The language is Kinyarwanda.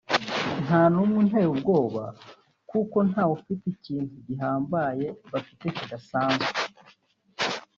“Nta n’umwe unteye ubwoba kuko ntawe ufite ikintu gihambaye bafite kidasanzwe